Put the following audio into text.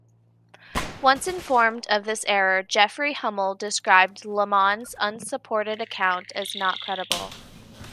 Once informed of this error, Jeffrey Hummel described Lamon's unsupported account as not credible.